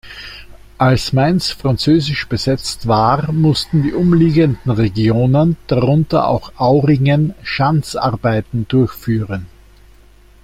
Als Mainz französisch besetzt war, mussten die umliegenden Regionen, darunter auch Auringen Schanzarbeiten durchführen.